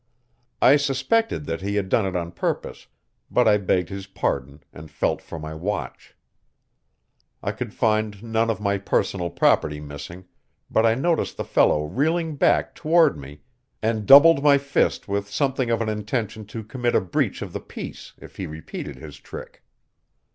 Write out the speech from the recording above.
I suspected that he had done it on purpose, but I begged his pardon and felt for my watch. I could find none of my personal property missing, but I noticed the fellow reeling back toward me, and doubled my fist with something of an intention to commit a breach of the peace if he repeated his trick.